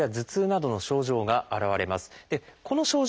この症状